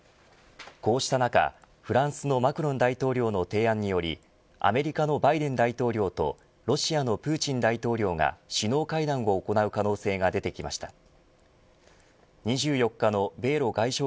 こうした中フランスのマクロン大統領の提案によりアメリカのバイデン大統領とロシアのプーチン大統領が首脳会談を行う可能性が出てきました。